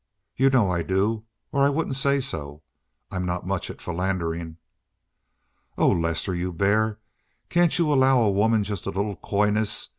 "You know I do, or I wouldn't say so. I'm not much on philandering." "Oh, Lester, you bear, can't you allow a woman just a little coyness?